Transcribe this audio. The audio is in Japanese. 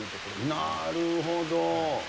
なるほど。